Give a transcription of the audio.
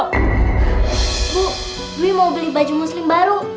ibu dwi mau beli baju muslim baru